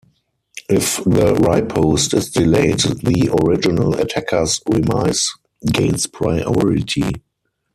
If the riposte is delayed, the original attacker's remise gains priority.